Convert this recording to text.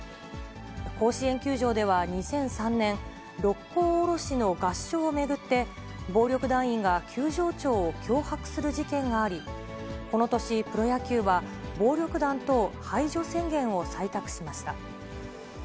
甲子園球場では２００３年、六甲おろしの合唱を巡って、暴力団員が球場長を脅迫する事件があり、この年、プロ野球は暴力団等排除宣言を採択しました。